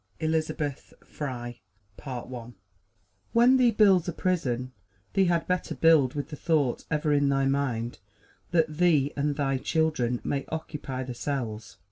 ELIZABETH FRY When thee builds a prison, thee had better build with the thought ever in thy mind that thee and thy children may occupy the cells.